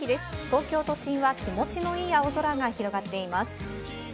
東京都心は気持ちのよい青空が広がっています。